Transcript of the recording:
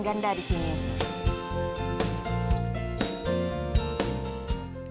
kita mengganda di sini